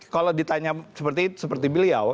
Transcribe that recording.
kalau ditanya seperti beliau